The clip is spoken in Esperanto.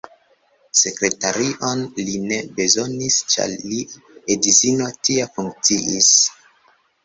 Sekretarion li ne bezonis, ĉar lia edzino tia funkciis.